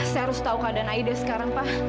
saya harus tahu keadaan aida sekarang pak